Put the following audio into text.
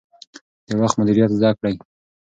د وخت مدیریت زده کړئ.